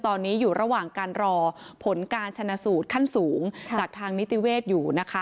ตอนนี้อยู่ระหว่างการรอผลการชนะสูตรขั้นสูงจากทางนิติเวศอยู่นะคะ